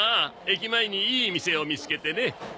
駅前にいい店を見つけてね。